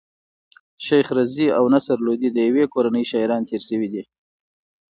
شېخ رضي او نصر لودي د ېوې کورنۍ شاعران تېر سوي دي.